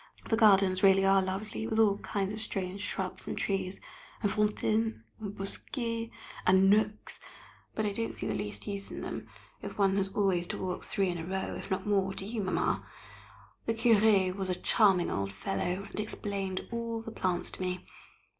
The gardens really are lovely, with all kinds of strange shrubs and trees, and fontaines and bosquets, and nooks, but I don't see the least use in them if one has always to walk three in a row, if not more, do you, Mamma? The Curé was a charming old fellow, and explained all the plants to me.